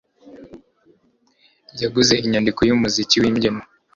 Yaguze inyandiko yumuziki wimbyino.